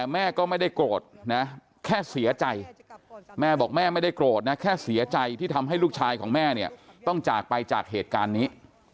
แม่บอกแม่ไม่ได้โกรธนะแค่เสียใจที่ทำให้ลูกชายของแม่เนี่ยต้องจากไปจากเหตุการณ์นี้